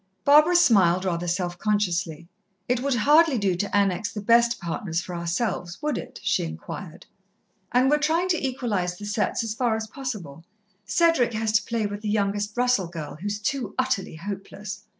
Barbara smiled rather self consciously. "It would hardly do to annex the best partners for ourselves, would it?" she inquired. "And we're trying to equalize the setts as far as possible. Cedric has to play with the youngest Russell girl, who's too utterly hopeless."